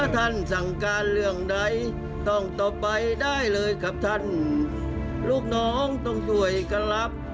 ทั้งที่นะครับของสมัยดำเนี่ยทราบว่ารุ่นเท้านี้เนี่ย